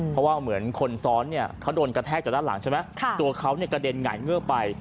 เพราะว่าเหมือนคนซ้อนเนี่ยเขาโดนกระแทกจากด้านหลังใช่ไหมตัวเขาเนี่ยกระเด็นหงายเงือกไป